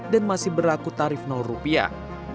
masih berlaku tarif rupiah